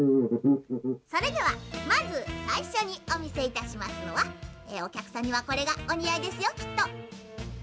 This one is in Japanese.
それではまずさいしょにおみせいたしますのはおきゃくさんにはこれがおにあいですよきっと」。